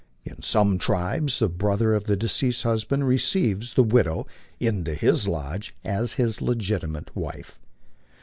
In some tribes the brother of a deceased husband receives the widow into his lodge as his legitimate wife.